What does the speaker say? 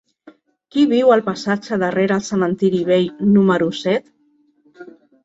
Qui viu al passatge de Rere el Cementiri Vell número set?